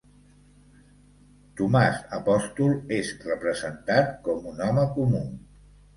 Tomàs apòstol és representat com un home comú.